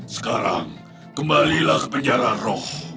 sekarang kembalilah ke penjara roh